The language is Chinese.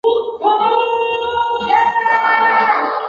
坦佩雷的命名来自于芬兰南部城市坦佩雷。